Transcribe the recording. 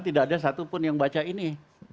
tidak ada satupun yang baca ini